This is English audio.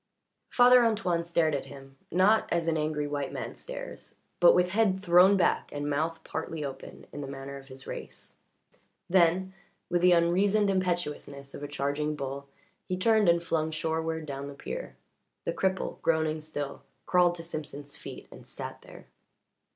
Father Antoine stared at him, not as an angry white man stares, but with head thrown back and mouth partly open, in the manner of his race. Then, with the unreasoned impetuousness of a charging bull, he turned and flung shoreward down the pier. The cripple, groaning still, crawled to Simpson's feet and sat there.